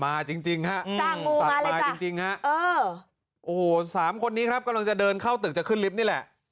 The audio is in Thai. จริงฮะสัตว์มาจริงฮะโอ้โหสามคนนี้ครับกำลังจะเดินเข้าตึกจะขึ้นลิฟต์นี่แหละ